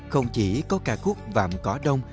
không chỉ có ca khúc vàng cỏ đông